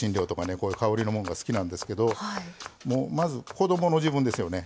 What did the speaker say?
こういう香りのもんが好きなんですけどまず子どもの時分ですよね。